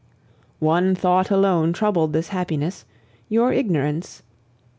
"One thought alone troubled this happiness your ignorance.